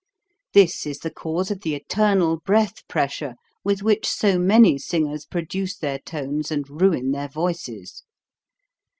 This is the cause of the eternal breath pressure with which so many singers produce their tones and ruin their voices.